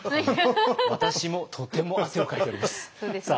私もとても汗をかいております。